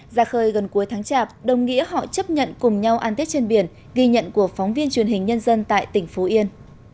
ra khơi gần cuối tháng chạp đồng nghĩa họ chấp nhận cùng nhau ăn tiết trên biển ghi nhận của phóng viên truyền hình nhân dân tại tỉnh phú yên